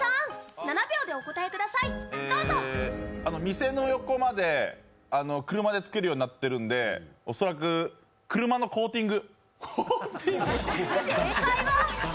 店の横まで車でつけるようになってるんで恐らく車のコーティング。